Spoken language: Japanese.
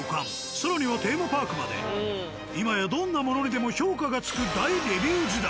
更にはテーマパークまで今やどんなものにでも評価がつく大レビュー時代。